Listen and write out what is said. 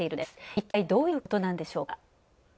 一体、どういうことなんでしょうか？